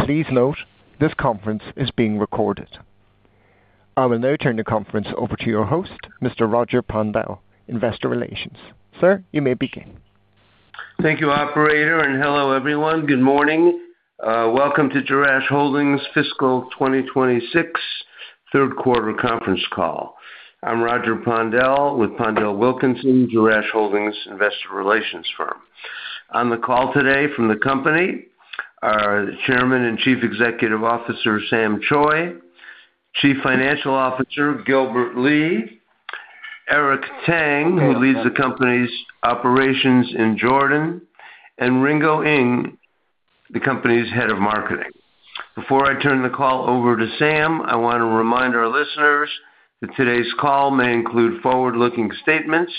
Please note, this conference is being recorded. I will now turn the conference over to your host, Mr. Roger Pondel, Investor Relations. Sir, you may begin. Thank you, operator, and hello everyone. Good morning. Welcome to Jerash Holdings' Fiscal 2026 Third-Quarter Conference Call. I'm Roger Pondel with PondelWilkinson, Jerash Holdings' Investor Relations firm. On the call today from the company are the Chairman and Chief Executive Officer, Sam Choi; the Chief Financial Officer, Gilbert Lee; Eric Tang, who leads the company's operations in Jordan; and Ringo Ng, the company's Head of Marketing. Before I turn the call over to Sam, I want to remind our listeners that today's call may include forward-looking statements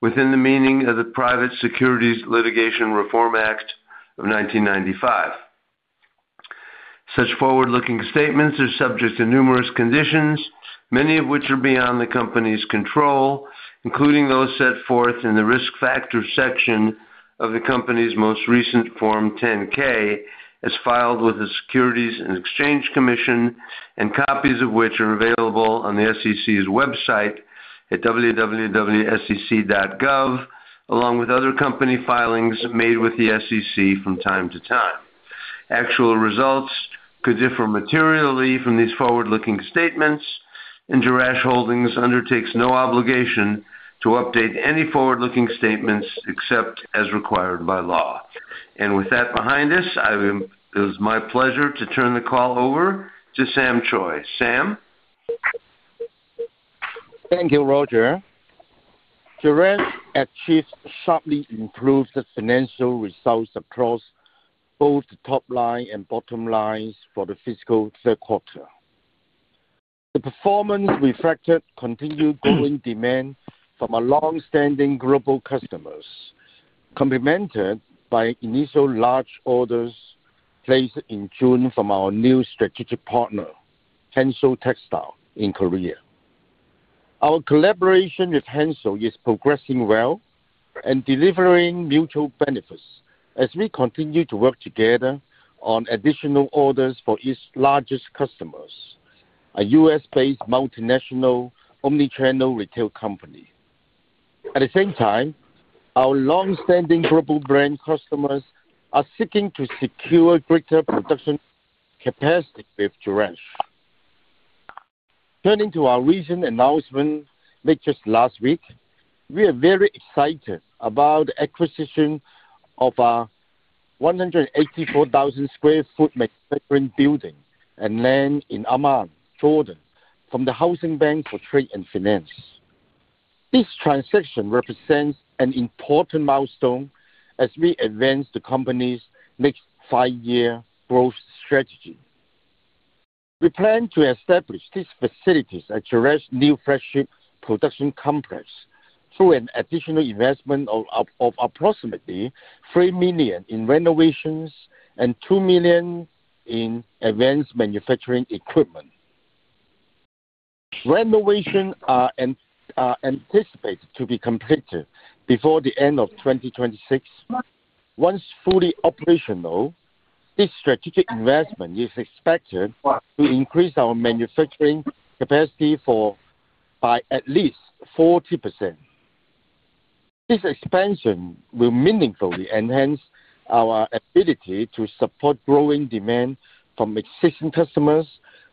within the meaning of the Private Securities Litigation Reform Act of 1995. Such forward-looking statements are subject to numerous conditions, many of which are beyond the company's control, including those set forth in the risk factor section of the company's most recent Form 10-K as filed with the Securities and Exchange Commission, and copies of which are available on the SEC's website at www.sec.gov, along with other company filings made with the SEC from time to time. Actual results could differ materially from these forward-looking statements, and Jerash Holdings undertakes no obligation to update any forward-looking statements except as required by law. With that behind us, it is my pleasure to turn the call over to Sam Choi. Sam? Thank you, Roger. Jerash achieved sharply improved financial results across both the top line and bottom lines for the fiscal third quarter. The performance reflected continued growing demand from our longstanding global customers, complemented by initial large orders placed in June from our new strategic partner, Hansoll Textile, in Korea. Our collaboration with Hansoll is progressing well and delivering mutual benefits as we continue to work together on additional orders for its largest customers, a U.S.-based multinational omnichannel retail company. At the same time, our longstanding global brand customers are seeking to secure greater production capacity with Jerash. Turning to our recent announcement made just last week, we are very excited about the acquisition of our 184,000 sq ft manufacturing building and land in Amman, Jordan, from the Housing Bank for Trade and Finance. This transaction represents an important milestone as we advance the company's next five-year growth strategy. We plan to establish these facilities at Jerash's new flagship production complex through an additional investment of approximately $3 million in renovations and $2 million in advanced manufacturing equipment. Renovations are anticipated to be completed before the end of 2026. Once fully operational, this strategic investment is expected to increase our manufacturing capacity by at least 40%. This expansion will meaningfully enhance our ability to support growing demand from existing customers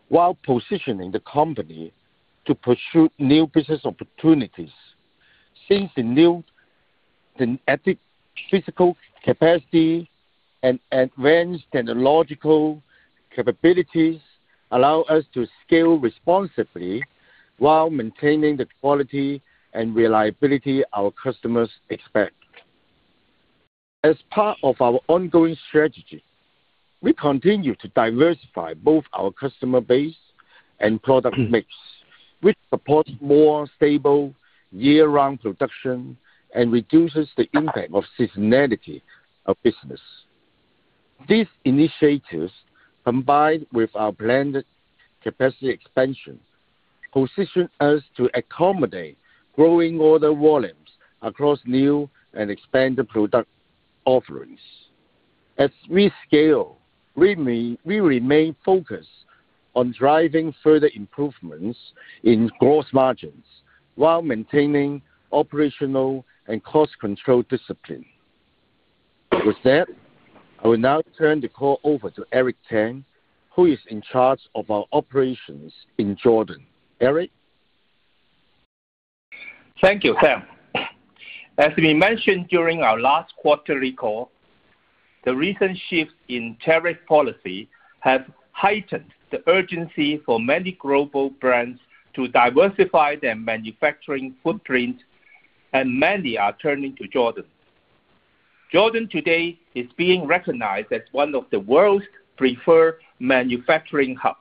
while positioning the company to pursue new business opportunities. Since the new physical capacity and advanced technological capabilities allow us to scale responsibly while maintaining the quality and reliability our customers expect. As part of our ongoing strategy, we continue to diversify both our customer base and product mix, which supports more stable year-round production and reduces the impact of seasonality of business. These initiatives, combined with our planned capacity expansion, position us to accommodate growing order volumes across new and expanded product offerings. As we scale, we remain focused on driving further improvements in gross margins while maintaining operational and cost control discipline. With that, I will now turn the call over to Eric Tang, who is in charge of our operations in Jordan. Eric? Thank you, Sam. As we mentioned during our last quarterly call, the recent shifts in tariff policy have heightened the urgency for many global brands to diversify their manufacturing footprint, and many are turning to Jordan. Jordan today is being recognized as one of the world's preferred manufacturing hubs.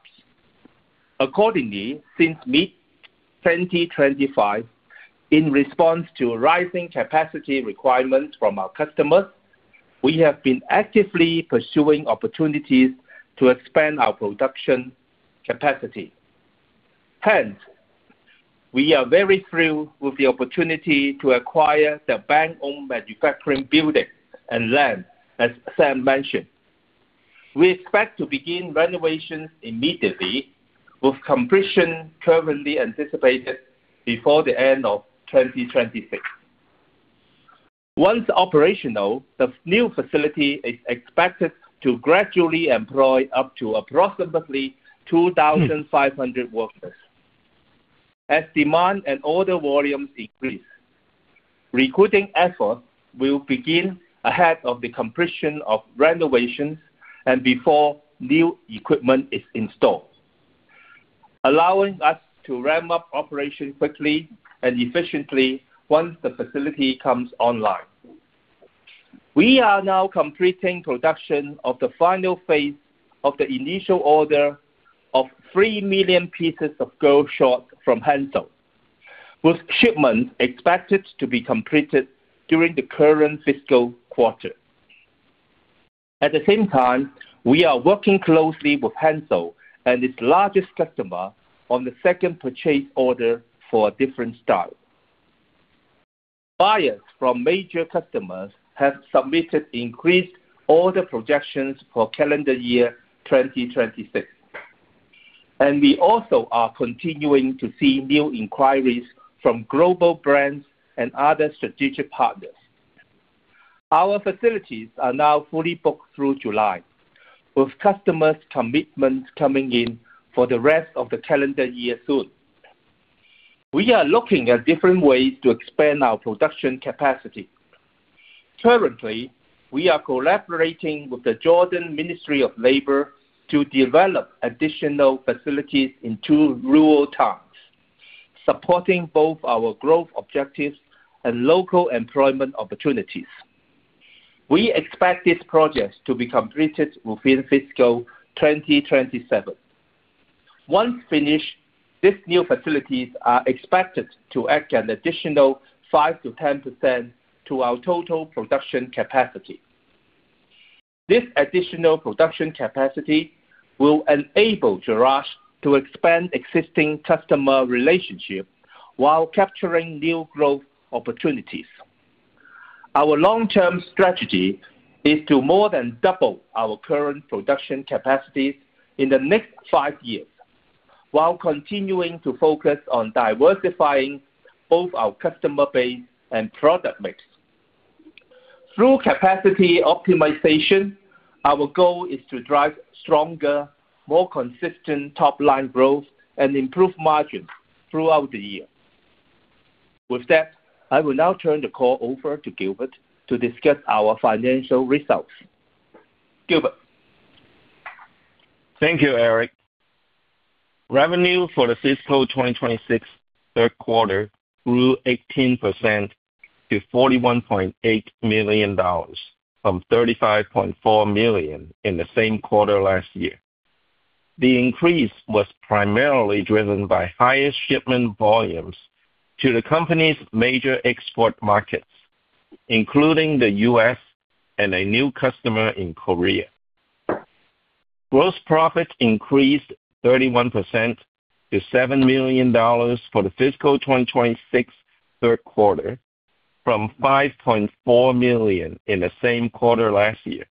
Accordingly, since mid-2025, in response to rising capacity requirements from our customers, we have been actively pursuing opportunities to expand our production capacity. Hence, we are very thrilled with the opportunity to acquire the bank-owned manufacturing building and land, as Sam mentioned. We expect to begin renovations immediately, with completion currently anticipated before the end of 2026. Once operational, the new facility is expected to gradually employ up to approximately 2,500 workers. As demand and order volumes increase, recruiting efforts will begin ahead of the completion of renovations and before new equipment is installed, allowing us to ramp up operations quickly and efficiently once the facility comes online. We are now completing production of the final phase of the initial order of 3 million pieces of girls' shorts from Hansoll, with shipments expected to be completed during the current fiscal quarter. At the same time, we are working closely with Hansoll, its largest customer, on the second purchase order for a different style. Buyers from major customers have submitted increased order projections for calendar year 2026, and we also are continuing to see new inquiries from global brands and other strategic partners. Our facilities are now fully booked through July, with customers' commitments coming in for the rest of the calendar year soon. We are looking at different ways to expand our production capacity. Currently, we are collaborating with the Jordan Ministry of Labor to develop additional facilities in two rural towns, supporting both our growth objectives and local employment opportunities. We expect this project to be completed within fiscal 2027. Once finished, these new facilities are expected to add an additional 5%-10% to our total production capacity. This additional production capacity will enable Jerash to expand existing customer relationships while capturing new growth opportunities. Our long-term strategy is to more than double our current production capacities in the next five years while continuing to focus on diversifying both our customer base and product mix. Through capacity optimization, our goal is to drive stronger, more consistent top line growth and improve margins throughout the year. With that, I will now turn the call over to Gilbert to discuss our financial results. Gilbert? Thank you, Eric. Revenue for the fiscal 2026 third quarter grew 18% to $41.8 million from $35.4 million in the same quarter last year. The increase was primarily driven by higher shipment volumes to the company's major export markets, including the U.S., and a new customer in Korea. Gross profit increased 31% to $7 million for the fiscal 2026 third quarter from $5.4 million in the same quarter last year.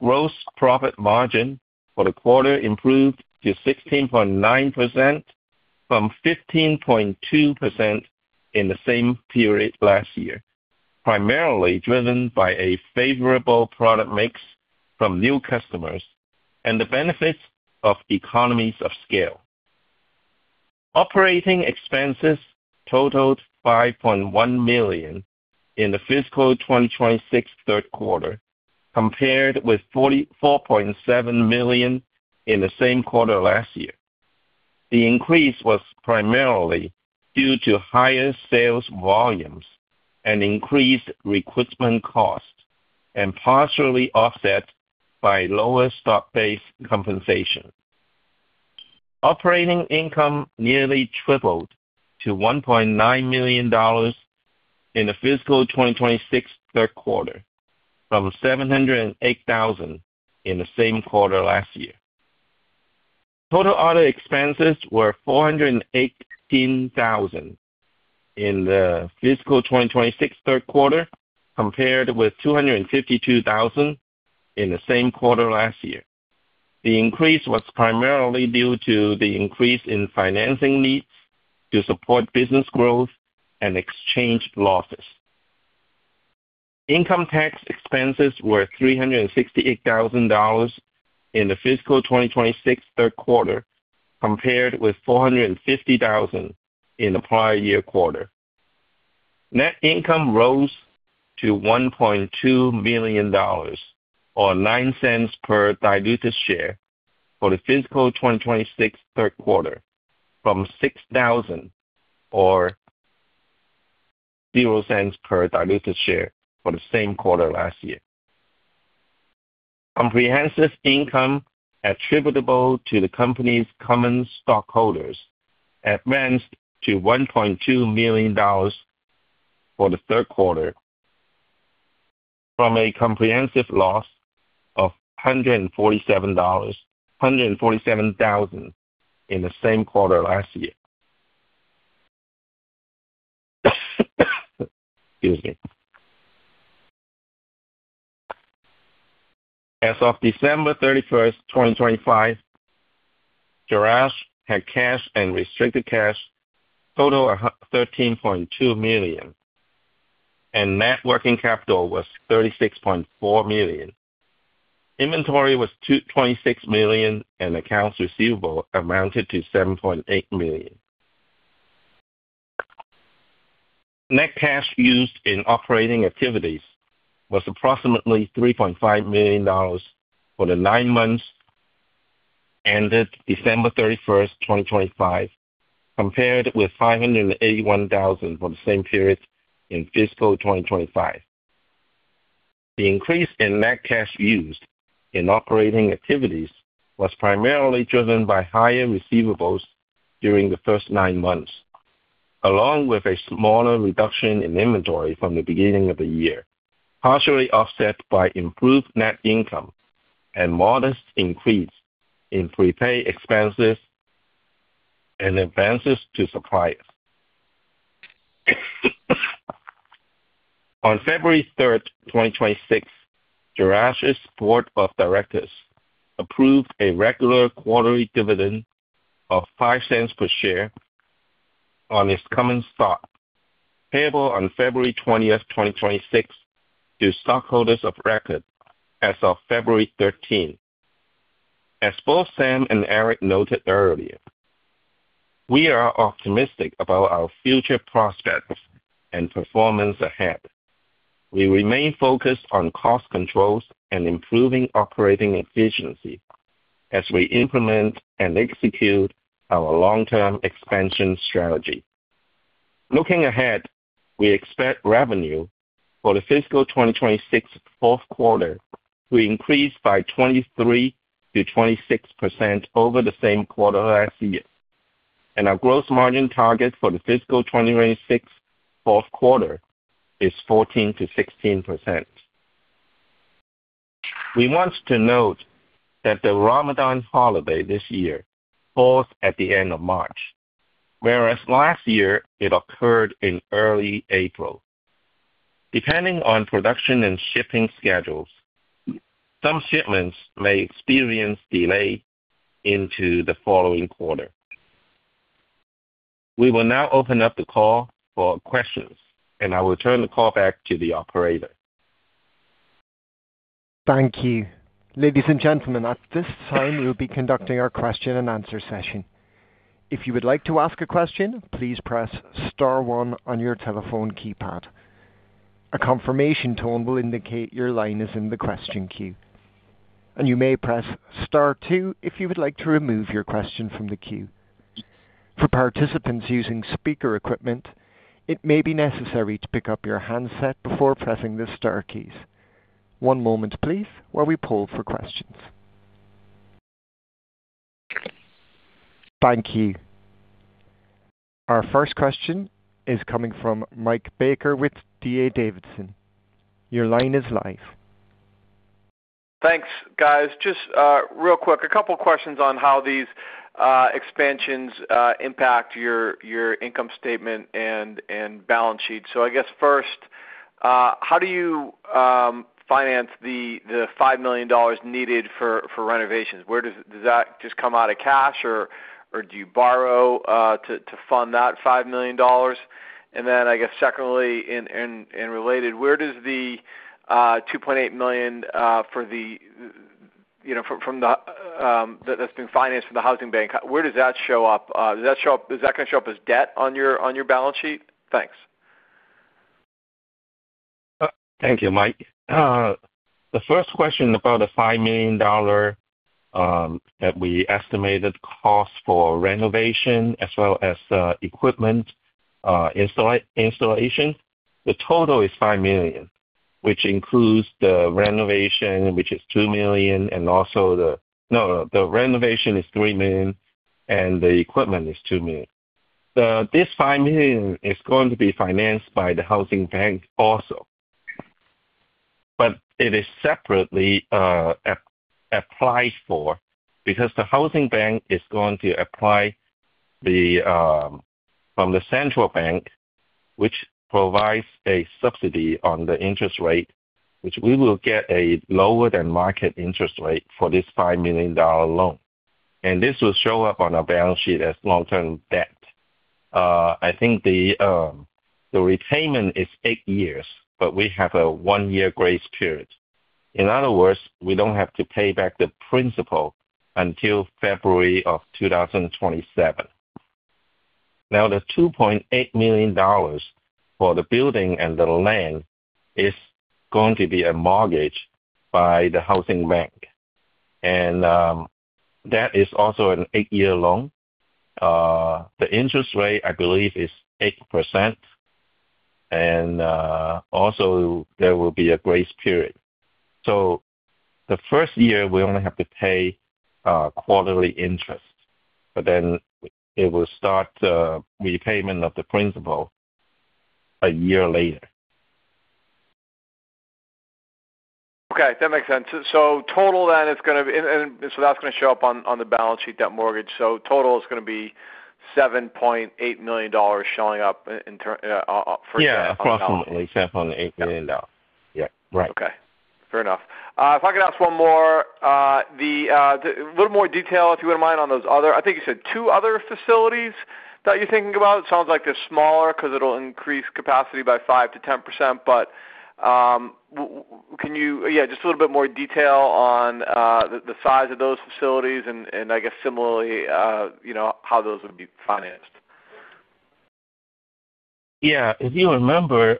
Gross profit margin for the quarter improved to 16.9% from 15.2% in the same period last year, primarily driven by a favorable product mix from new customers and the benefits of economies of scale. Operating expenses totaled $5.1 million in the fiscal 2026 third quarter compared with $4.7 million in the same quarter last year. The increase was primarily due to higher sales volumes and increased recruitment costs, and partially offset by lower stock-based compensation. Operating income nearly tripled to $1.9 million in the fiscal 2026 third quarter from $708,000 in the same quarter last year. Total order expenses were $418,000 in the fiscal 2026 third quarter compared with $252,000 in the same quarter last year. The increase was primarily due to the increase in financing needs to support business growth and exchange losses. Income tax expenses were $368,000 in the fiscal 2026 third quarter compared with $450,000 in the prior year quarter. Net income rose to $1.2 million or $0.09 per diluted share for the fiscal 2026 third quarter from $6,000 or $0.00 per diluted share for the same quarter last year. Comprehensive income attributable to the company's common stockholders advanced to $1.2 million for the third quarter from a comprehensive loss of $147,000 in the same quarter last year. Excuse me. As of December 31st, 2025, Jerash had cash and restricted cash totaled $13.2 million, and net working capital was $36.4 million. Inventory was $26 million, and accounts receivable amounted to $7.8 million. Net cash used in operating activities was approximately $3.5 million for the nine months ended December 31, 2025, compared with $581,000 for the same period in fiscal 2025. The increase in net cash used in operating activities was primarily driven by higher receivables during the first nine months, along with a smaller reduction in inventory from the beginning of the year, partially offset by improved net income and modest increase in prepaid expenses and advances to suppliers. On February 3, 2026, Jerash's board of directors approved a regular quarterly dividend of $0.05 per share on its common stock, payable on February 20th, 2026, to stockholders of record as of February 13th. As both Sam and Eric noted earlier, we are optimistic about our future prospects and performance ahead. We remain focused on cost controls and improving operating efficiency as we implement and execute our long-term expansion strategy. Looking ahead, we expect revenue for the fiscal 2026 fourth quarter to increase by 23%-26% over the same quarter last year, and our gross margin target for the fiscal 2026 fourth quarter is 14%-16%. We want to note that the Ramadan holiday this year falls at the end of March, whereas last year it occurred in early April. Depending on production and shipping schedules, some shipments may experience delays into the following quarter. We will now open up the call for questions, and I will turn the call back to the operator. Thank you. Ladies and gentlemen, at this time, we will be conducting our question-and-answer session. If you would like to ask a question, please press star one on your telephone keypad. A confirmation tone will indicate your line is in the question queue, and you may press star two if you would like to remove your question from the queue. For participants using speaker equipment, it may be necessary to pick up your handset before pressing the star keys. One moment, please, while we pull for questions. Thank you. Our first question is coming from Mike Baker with D.A. Davidson. Your line is live. Thanks, guys. Just real quick, a couple of questions on how these expansions impact your income statement and balance sheet. So I guess first, how do you finance the $5 million needed for renovations? Where does that just come out of cash, or do you borrow to fund that $5 million? And then, I guess, secondly, in related, where does the $2.8 million for the, you know, from the, that's being financed from the Housing Bank, where does that show up? Does that show up? Is that gonna show up as debt on your balance sheet? Thanks. Thank you, Mike. The first question about the $5 million, that we estimated cost for renovation as well as equipment installation. The total is $5 million, which includes the renovation, which is $2 million, and also the no, no, the renovation is $3 million, and the equipment is $2 million. This $5 million is going to be financed by the Housing Bank also, but it is separately applied for because the Housing Bank is going to apply for it from the Central Bank, which provides a subsidy on the interest rate, which we will get a lower-than-market interest rate for this $5 million loan, and this will show up on our balance sheet as long-term debt. I think the repayment is eight years, but we have a one-year grace period. In other words, we don't have to pay back the principal until February of 2027. Now, the $2.8 million for the building and the land is going to be a mortgage by the Housing Bank, and, that is also an eight-year loan. The interest rate, I believe, is 8%, and, also, there will be a grace period. So the first year, we only have to pay, quarterly interest, but then it will start, repayment of the principal a year later. Okay. That makes sense. So total then it's gonna be and so that's gonna show up on the balance sheet, that mortgage. So total is gonna be $7.8 million showing up in term for the Housing Bank. Yeah. Approximately $7.8 million. Yeah. Right. Okay. Fair enough. If I could ask one more, a little more detail, if you wouldn't mind, on those other I think you said two other facilities that you're thinking about. It sounds like they're smaller 'cause it'll increase capacity by 5%-10%, but, can you yeah, just a little bit more detail on, the size of those facilities and, and, I guess, similarly, you know, how those would be financed? Yeah. If you remember,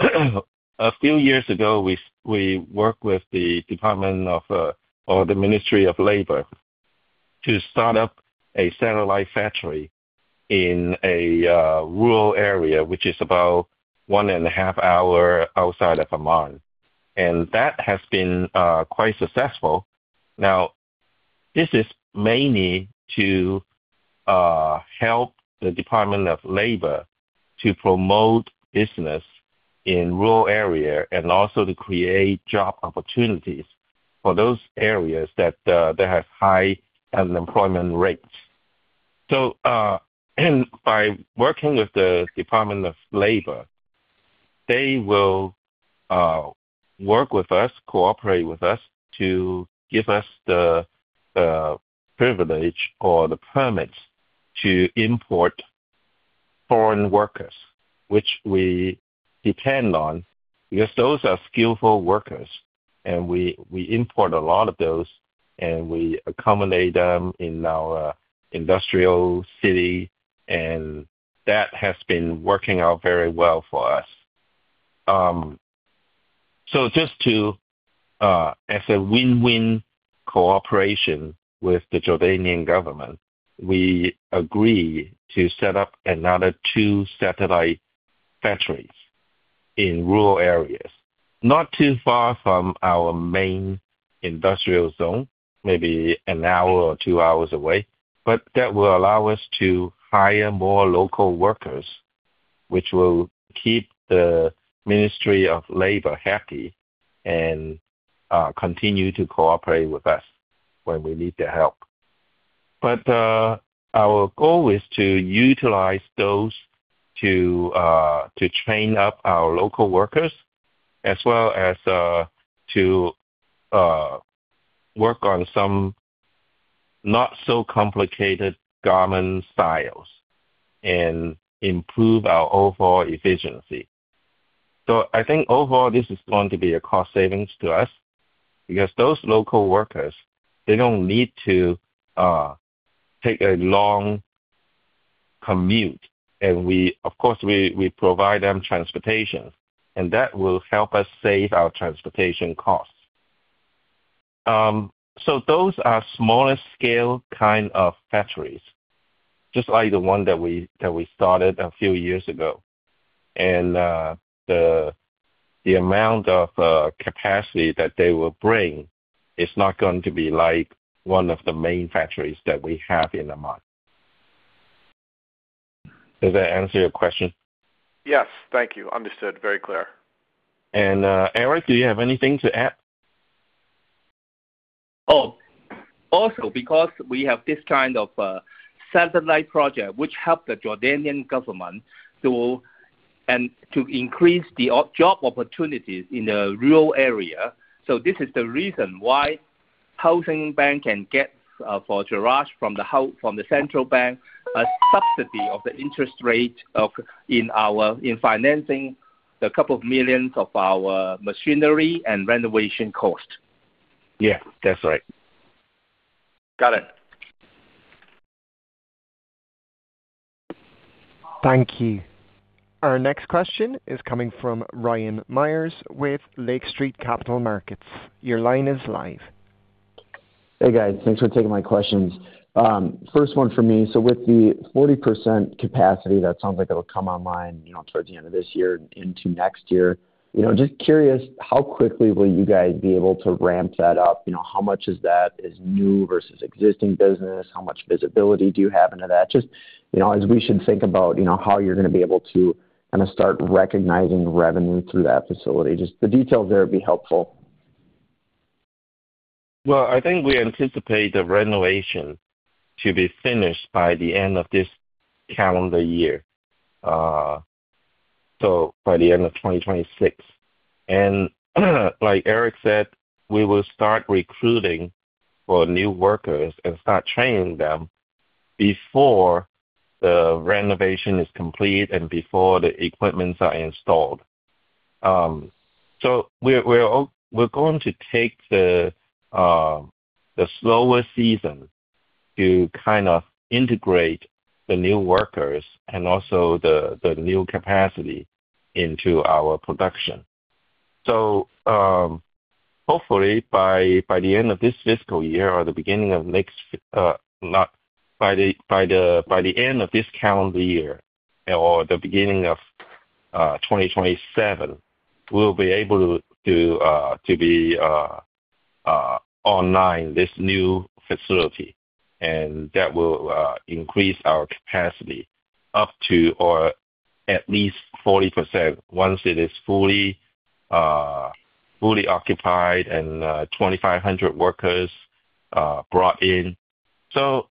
a few years ago, we, we worked with the Department of, or the Ministry of Labor to start up a satellite factory in a rural area, which is about one and a half hours outside of Amman, and that has been quite successful. Now, this is mainly to help the Department of Labor to promote business in rural areas and also to create job opportunities for those areas that, that have high unemployment rates. So, and by working with the Department of Labor, they will work with us, cooperate with us, to give us the privilege or the permits to import foreign workers, which we depend on because those are skillful workers, and we, we import a lot of those, and we accommodate them in our industrial city, and that has been working out very well for us. So, as a win-win cooperation with the Jordanian government, we agree to set up another two satellite factories in rural areas, not too far from our main industrial zone, maybe an hour or two hours away, but that will allow us to hire more local workers, which will keep the Ministry of Labor happy and continue to cooperate with us when we need their help. But our goal is to utilize those to train up our local workers as well as to work on some not-so-complicated garment styles and improve our overall efficiency. So I think, overall, this is going to be a cost savings to us because those local workers, they don't need to take a long commute, and we of course we provide them transportation, and that will help us save our transportation costs. So those are smaller-scale kind of factories, just like the one that we started a few years ago. The amount of capacity that they will bring is not going to be like one of the main factories that we have in Amman. Does that answer your question? Yes. Thank you. Understood. Very clear. Eric, do you have anything to add? Oh. Also, because we have this kind of satellite project, which helped the Jordanian government to increase the job opportunities in the rural area, so this is the reason why Housing Bank can get, for Jerash from the Central Bank, a subsidy of the interest rate in our financing the $2 million of our machinery and renovation cost. Yeah. That's right. Got it. Thank you. Our next question is coming from Ryan Myers with Lake Street Capital Markets. Your line is live. Hey, guys. Thanks for taking my questions. First one for me. So with the 40% capacity, that sounds like it'll come online, you know, towards the end of this year and into next year. You know, just curious, how quickly will you guys be able to ramp that up? You know, how much of that is new versus existing business? How much visibility do you have into that? Just, you know, as we should think about, you know, how you're gonna be able to kinda start recognizing revenue through that facility. Just the details there would be helpful. Well, I think we anticipate the renovation to be finished by the end of this calendar year, so by the end of 2026, and, like Eric said, we will start recruiting for new workers and start training them before the renovation is complete and before the equipments are installed. So we're going to take the slower season to kind of integrate the new workers and also the new capacity into our production. So, hopefully, by the end of this fiscal year or the beginning of next, not by the end of this calendar year or the beginning of 2027, we'll be able to be online this new facility, and that will increase our capacity up to or at least 40% once it is fully occupied and 2,500 workers brought in.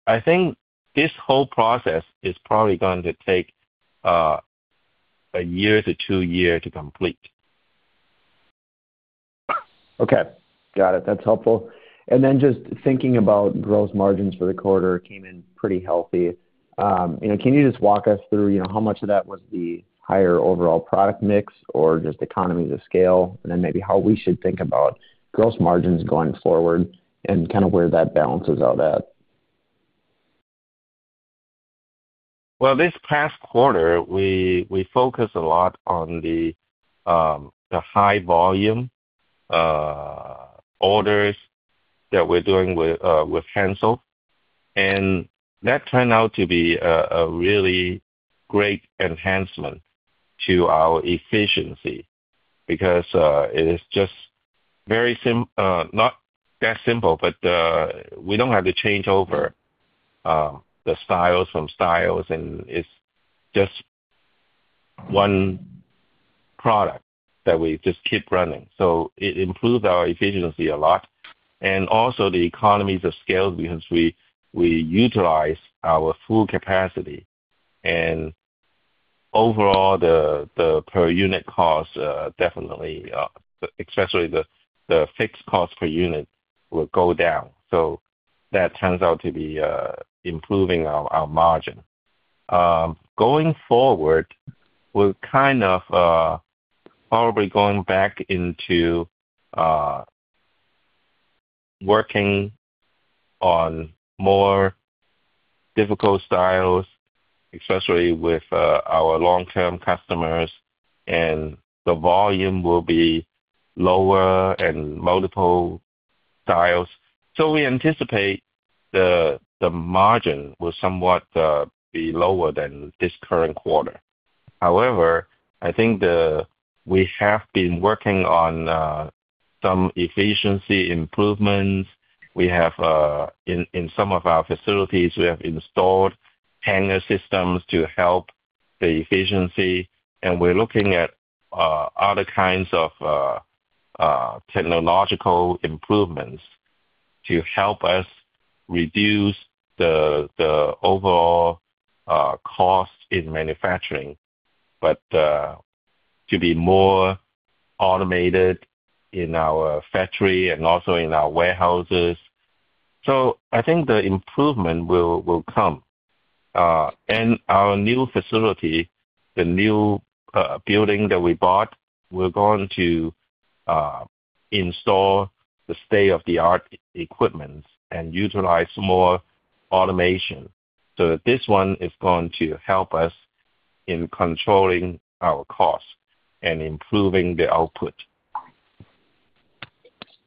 I think this whole process is probably going to take 1-2 years to complete. Okay. Got it. That's helpful, and then just thinking about gross margins for the quarter, it came in pretty healthy. You know, can you just walk us through, you know, how much of that was the higher overall product mix or just economies of scale, and then maybe how we should think about gross margins going forward and kinda where that balances out at? Well, this past quarter, we focused a lot on the high-volume orders that we're doing with Hansoll, and that turned out to be a really great enhancement to our efficiency because it is just very simple, not that simple, but we don't have to change over the styles from styles, and it's just one product that we just keep running. So it improves our efficiency a lot and also the economies of scale because we utilize our full capacity, and overall, the per-unit cost definitely, especially the fixed cost per unit, will go down. So that turns out to be improving our margin. Going forward, we're kind of probably going back into working on more difficult styles, especially with our long-term customers, and the volume will be lower and multiple styles. So we anticipate the margin will somewhat be lower than this current quarter. However, I think we have been working on some efficiency improvements. We have in some of our facilities we have installed hanger systems to help the efficiency, and we're looking at other kinds of technological improvements to help us reduce the overall cost in manufacturing, but to be more automated in our factory and also in our warehouses. So I think the improvement will come, and our new facility, the new building that we bought, we're going to install the state-of-the-art equipment and utilize more automation. So this one is going to help us in controlling our costs and improving the output.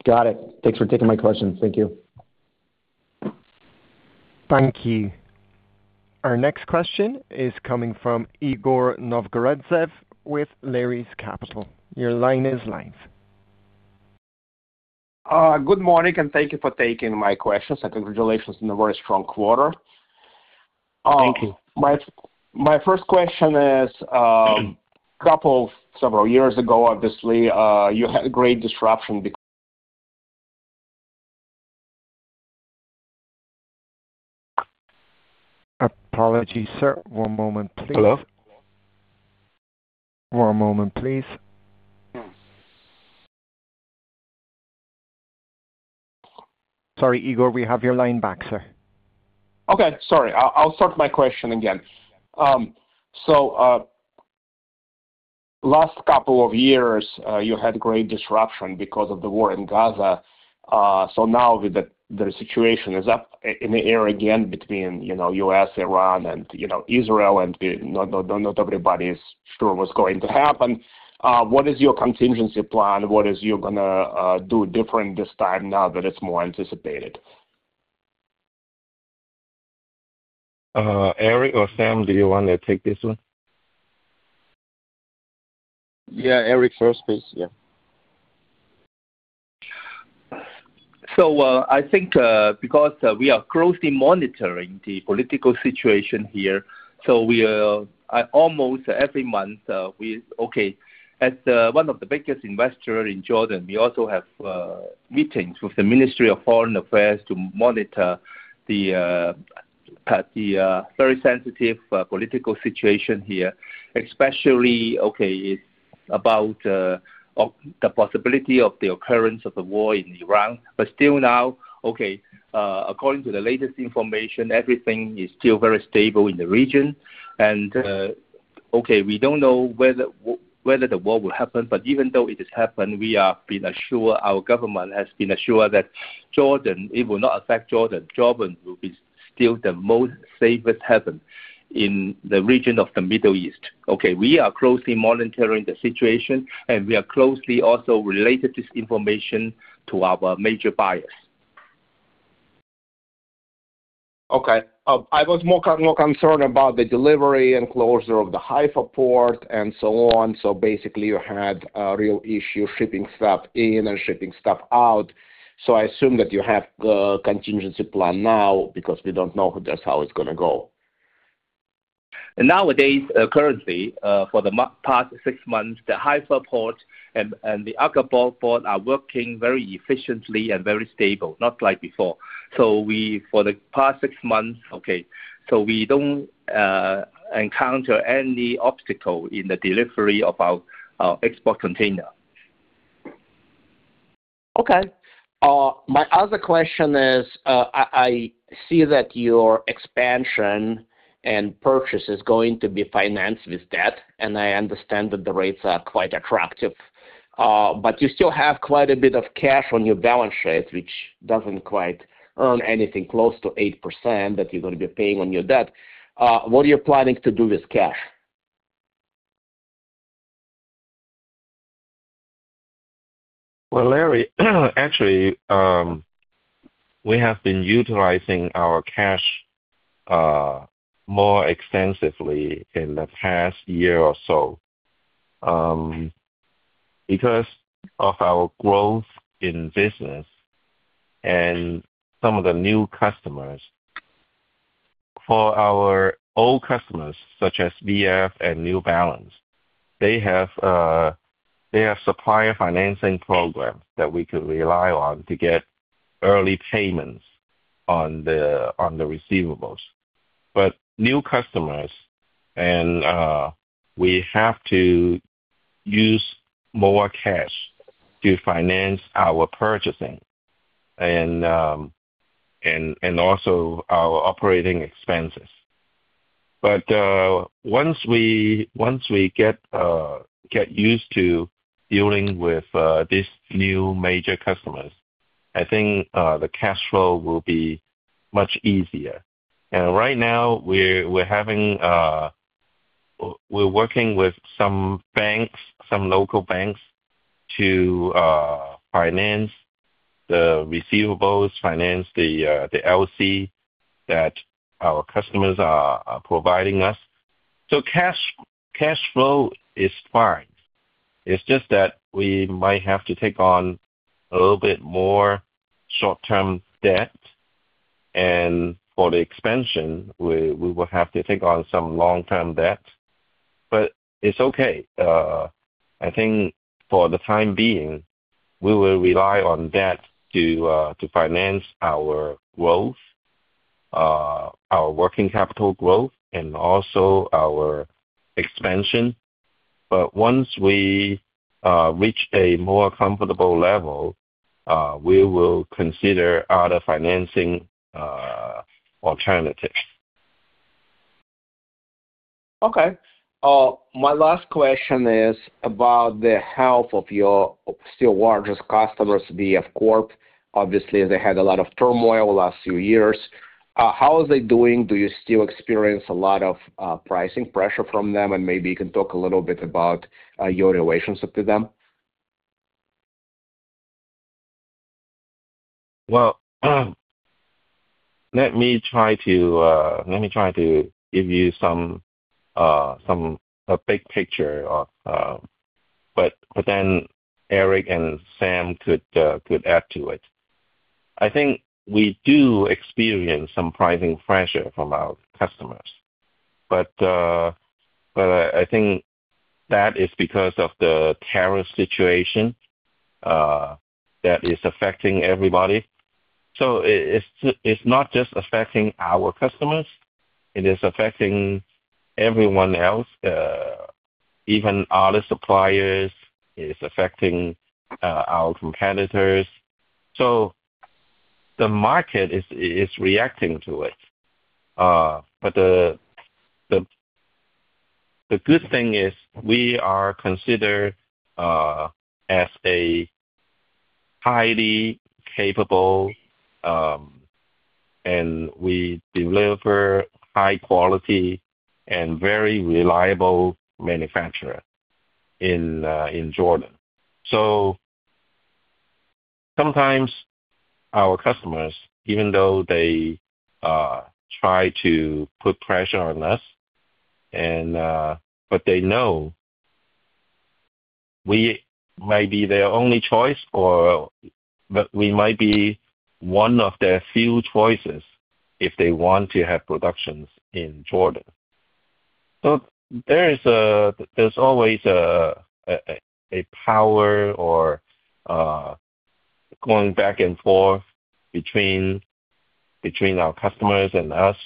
Got it. Thanks for taking my question. Thank you. Thank you. Our next question is coming from Igor Novgorodtsev with Lares Capital. Your line is live. Good morning, and thank you for taking my questions. Congratulations on a very strong quarter. Thank you. My first question is, couple several years ago, obviously, you had great disruption be-. Apologies, sir. One moment, please. Hello? One moment, please. Sorry, Igor. We have your line back, sir. Okay. Sorry. I'll start my question again. So, last couple of years, you had great disruption because of the war in Gaza. So now with the situation up in the air again between, you know, U.S., Iran, and, you know, Israel, and not everybody's sure what's going to happen. What is your contingency plan? What is you gonna do different this time now that it's more anticipated? Eric or Sam, do you wanna take this one? Yeah. Eric, first, please. Yeah. So, I think, because we are closely monitoring the political situation here, so we are almost every month, we okay. As one of the biggest investors in Jordan, we also have meetings with the Ministry of Foreign Affairs to monitor the very sensitive political situation here, especially okay, it's about the possibility of the occurrence of a war in Iran. But still now, okay, according to the latest information, everything is still very stable in the region, and, okay, we don't know whether the war will happen, but even though it has happened, we are being assured our government has been assured that Jordan it will not affect Jordan. Jordan will be still the most safest haven in the region of the Middle East. Okay. We are closely monitoring the situation, and we are closely also related this information to our major buyers. Okay. I was more concerned about the delivery and closure of the Haifa port and so on. So basically, you had a real issue shipping stuff in and shipping stuff out. So I assume that you have the contingency plan now because we don't know how that's gonna go. Nowadays, currently, for the past six months, the Haifa port and the Aqaba port are working very efficiently and very stable, not like before. So we for the past six months okay. So we don't encounter any obstacle in the delivery of our export container. Okay. My other question is, I see that your expansion and purchase is going to be financed with debt, and I understand that the rates are quite attractive. But you still have quite a bit of cash on your balance sheet, which doesn't quite earn anything close to 8% that you're gonna be paying on your debt. What are you planning to do with cash? Well, Larry, actually, we have been utilizing our cash more extensively in the past year or so, because of our growth in business and some of the new customers. For our old customers, such as VF and New Balance, they have supplier financing programs that we can rely on to get early payments on the receivables. But new customers, we have to use more cash to finance our purchasing and also our operating expenses. But once we get used to dealing with these new major customers, I think the cash flow will be much easier and right now, we're working with some banks, some local banks to finance the receivables, finance the LC that our customers are providing us. So cash flow is fine. It's just that we might have to take on a little bit more short-term debt, and for the expansion, we will have to take on some long-term debt. But it's okay. I think for the time being, we will rely on debt to finance our growth, our working capital growth, and also our expansion. But once we reach a more comfortable level, we will consider other financing alternatives. Okay. My last question is about the health of your overall still largest customers, VF Corp. Obviously, they had a lot of turmoil last few years. How are they doing? Do you still experience a lot of pricing pressure from them? And maybe you can talk a little bit about your relations with them. Well, let me try to give you some big picture of, but then Eric and Sam could add to it. I think we do experience some pricing pressure from our customers, but I think that is because of the tariff situation that is affecting everybody. So it's not just affecting our customers. It is affecting everyone else, even other suppliers. It's affecting our competitors. So the market is reacting to it. But the good thing is we are considered as a highly capable, and we deliver high-quality and very reliable manufacturers in Jordan. So sometimes our customers, even though they try to put pressure on us, but they know we may be their only choice or we might be one of their few choices if they want to have productions in Jordan. So there's always a power going back and forth between our customers and us.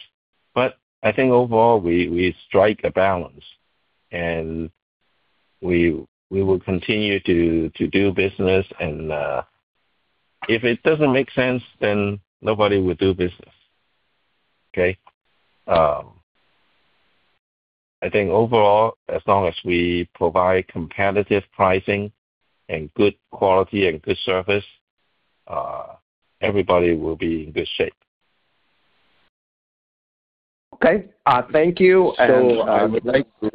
But I think overall, we strike a balance, and we will continue to do business. If it doesn't make sense, then nobody will do business. Okay? I think overall, as long as we provide competitive pricing and good quality and good service, everybody will be in good shape. Okay. Thank you, and I would like to. I would like to.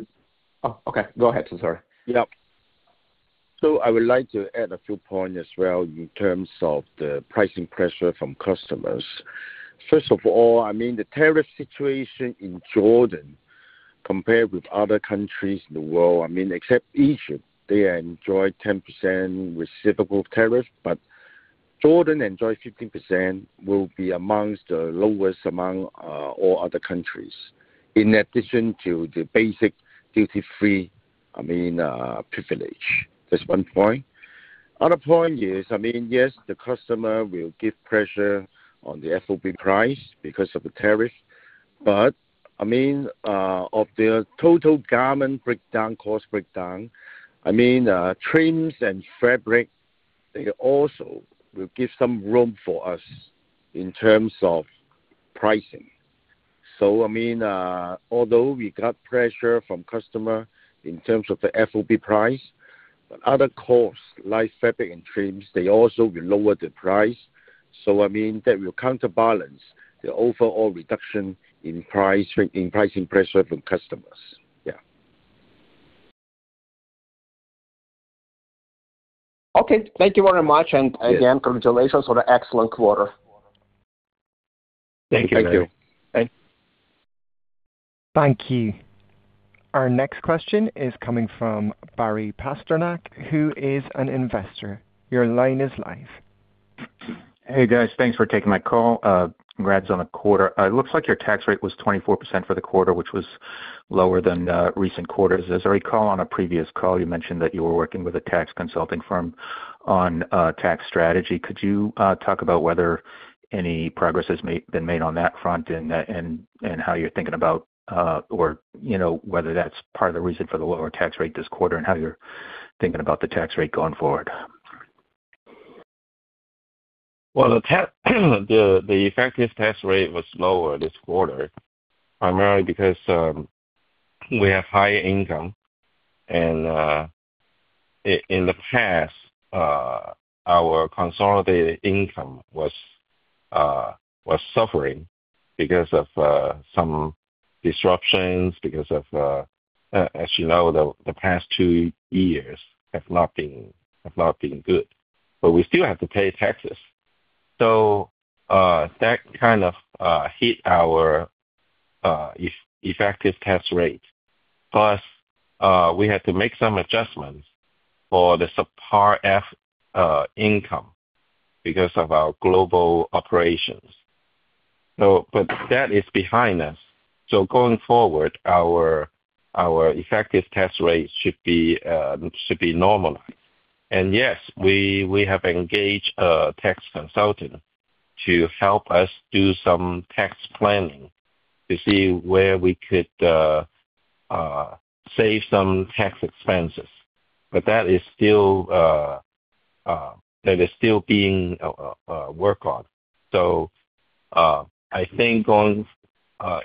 Oh, okay. Go ahead. I'm sorry. Yep. So I would like to add a few points as well in terms of the pricing pressure from customers. First of all, I mean, the tariff situation in Jordan compared with other countries in the world I mean, except Egypt, they enjoy 10% receivable tariff, but Jordan enjoys 15%. It will be amongst the lowest among all other countries in addition to the basic duty-free, I mean, privilege. That's one point. Other point is, I mean, yes, the customer will give pressure on the FOB price because of the tariff. But, I mean, of the total garment breakdown cost breakdown, I mean, trims and fabric, they also will give some room for us in terms of pricing. So, I mean, although we got pressure from customer in terms of the FOB price, but other costs like fabric and trims, they also will lower the price. So, I mean, that will counterbalance the overall reduction in pricing pressure from customers. Yeah. Okay. Thank you very much, and again, congratulations on an excellent quarter. Thank you. Thank you. Our next question is coming from Barry Pasternack, who is an investor. Your line is live. Hey, guys. Thanks for taking my call. Congrats on the quarter. It looks like your tax rate was 24% for the quarter, which was lower than recent quarters. As I recall on a previous call, you mentioned that you were working with a tax consulting firm on tax strategy. Could you talk about whether any progress has been made on that front and how you're thinking about, or, you know, whether that's part of the reason for the lower tax rate this quarter and how you're thinking about the tax rate going forward? Well, the effective tax rate was lower this quarter primarily because we have high income. In the past, our consolidated income was suffering because of some disruptions because, as you know, the past two years have not been good. But we still have to pay taxes. So, that kind of hit our effective tax rate. Plus, we had to make some adjustments for the Subpart F income because of our global operations. So but that is behind us. So going forward, our effective tax rate should be normalized, and yes, we have engaged a tax consultant to help us do some tax planning to see where we could save some tax expenses. But that is still being worked on. I think going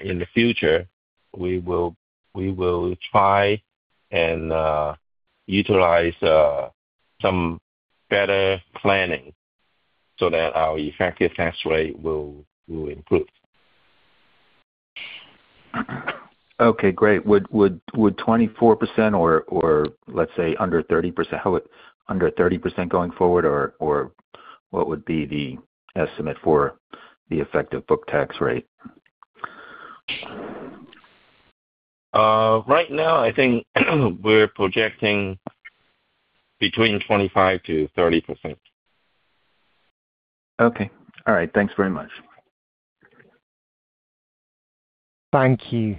in the future, we will try and utilize some better planning so that our effective tax rate will improve. Okay. Great. Would 24% or, let's say, under 30% how would under 30% going forward, or what would be the estimate for the effective book tax rate? Right now, I think we're projecting between 25%-30%. Okay. All right. Thanks very much. Thank you.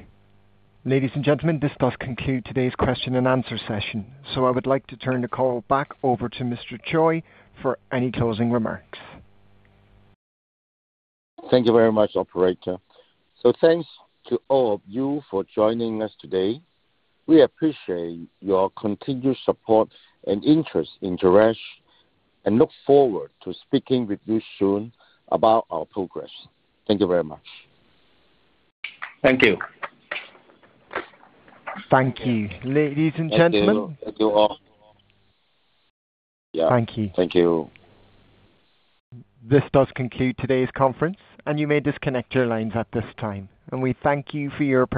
Ladies and gentlemen, this does conclude today's question and answer session. I would like to turn the call back over to Mr. Choi for any closing remarks. Thank you very much, Operator. Thanks to all of you for joining us today. We appreciate your continued support and interest in Jerash and look forward to speaking with you soon about our progress. Thank you very much. Thank you. Thank you. Ladies and gentlemen. Thank you. Thank you all. Yeah. Thank you. Thank you. This does conclude today's conference, and you may disconnect your lines at this time. We thank you for your.